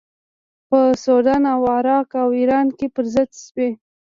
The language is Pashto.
په سودان او عراق او ایران کې پر ضد شوې.